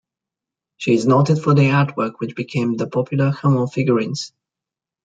She is noted for the artwork which became the popular Hummel figurines.